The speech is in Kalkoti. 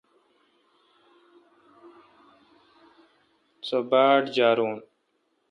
سو باڑجارون۔